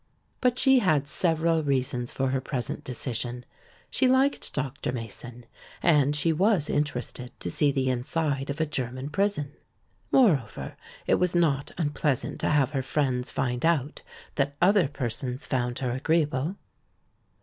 But she had several reasons for her present decision. She liked Dr. Mason and she was interested to see the inside of a German prison. Moreover, it was not unpleasant to have her friends find out that other persons found her agreeable.